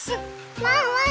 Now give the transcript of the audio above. ワンワン